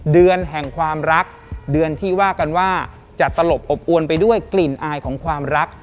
เดือนแห่งความรักเดือนที่ว่ากันว่าจะตลบอบอวนไปด้วยกลิ่นอายของความรัก